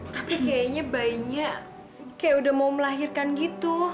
tapi kayaknya bayinya kayak udah mau melahirkan gitu